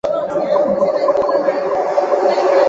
西藏尼木县吞巴乡吞巴村是原料柏树泥的生产基地。